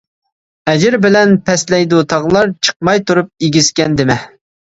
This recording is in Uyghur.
ئەجىر بىلەن پەسلەيدۇ تاغلار، چىقماي تۇرۇپ ئېگىزكەن دېمە.